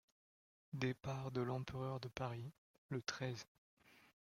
Départ de l'empereur de Paris, le treize.